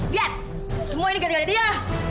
lihat semua ini ganda ganda dia